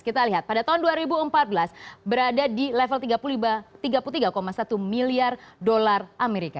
kita lihat pada tahun dua ribu empat belas berada di level tiga puluh tiga satu miliar dolar amerika